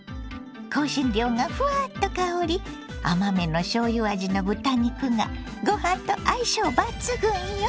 香辛料がフワッと香り甘めのしょうゆ味の豚肉がご飯と相性抜群よ！